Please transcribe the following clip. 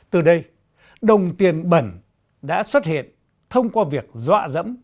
từ đây đồng tiền bẩn đã xuất hiện thông qua việc dọa dẫm